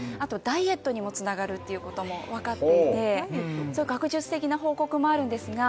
ダイエットにもつながるっていうこともわかっていて学術的な報告もあるんですが